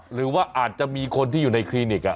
หรือว่าอาจจะมีคนที่อยู่ในคลินิก